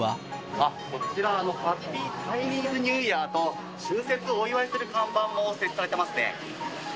あっ、こちら、ハッピーチャイニーズニューイヤーと、春節をお祝いする看板も設置されてますね。